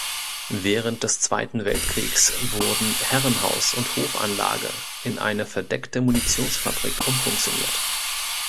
Während des Zweiten Weltkriegs wurden Herrenhaus und Hofanlage in eine verdeckte Munitionsfabrik umfunktioniert.